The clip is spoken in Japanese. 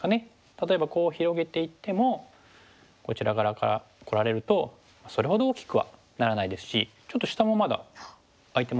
例えばこう広げていってもこちら側からこられるとそれほど大きくはならないですしちょっと下もまだ空いてますよね。